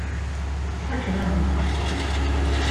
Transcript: Fakken-am-tent.